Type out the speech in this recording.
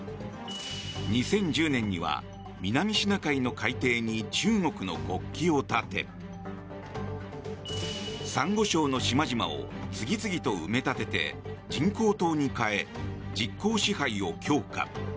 ２０１０年には南シナ海の海底に中国の国旗を立てサンゴ礁の島々を次々と埋め立てて人工島に変え実効支配を強化。